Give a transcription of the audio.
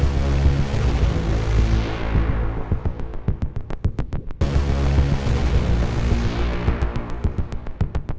pemikir winner gila ini